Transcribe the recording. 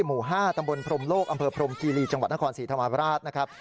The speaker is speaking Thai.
หมู่๕ตำบลพรมโลกอำเภอพรมคีรีจังหวัดนครศรีธรรมราชนะครับ